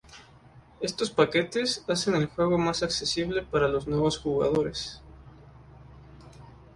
Estos paquetes hacen el juego más accesible para los nuevos jugadores.